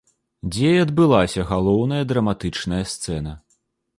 Дзе і адбылася галоўная драматычная сцэна.